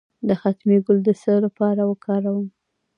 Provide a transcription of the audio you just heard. د ختمي ګل د څه لپاره وکاروم؟